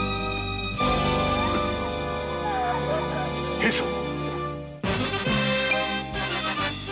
平さん！